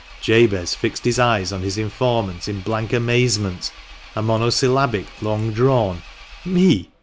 Jabez fixed his eyes on his informant in blank amazement, a monosyllabic long drawn " Me